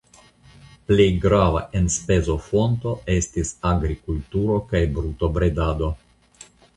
Plej grava enspezofonto estis agrikulturo kaj brutobredado.